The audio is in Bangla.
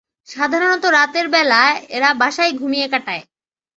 সাধারণত, রাতের বেলায় এরা বাসায় ঘুমিয়ে কাটায়।